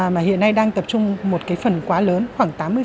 mà hiện nay đang tập trung một cái phần quá lớn khoảng tám mươi